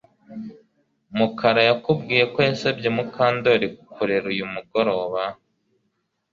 Mukara yakubwiye ko yasabye Mukandoli kurera uyu mugoroba